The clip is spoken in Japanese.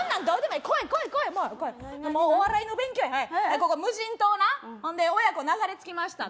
もう来いもうお笑いの勉強やここ無人島なほんで親子流れ着きました